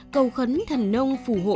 cầu khấn thần nông phù hộ